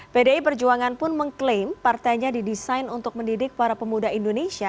pdi perjuangan pun mengklaim partainya didesain untuk mendidik para pemuda indonesia